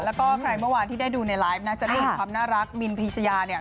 แล้วก็ใครเมื่อวานที่ได้ดูในไลฟ์นะจะได้เห็นความน่ารักมินพีชยาเนี่ย